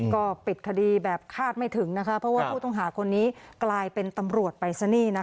ก็ปิดคดีแบบคาดไม่ถึงนะคะเพราะว่าผู้ต้องหาคนนี้กลายเป็นตำรวจไปซะนี่นะคะ